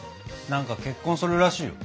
何か結婚するらしいよ。